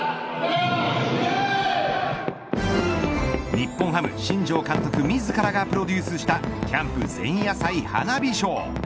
日本ハム新庄監督自らがプロデュースしたキャンプ前夜祭花火ショー。